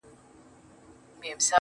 د مخ پر لمر باندي تياره د ښکلا مه غوړوه.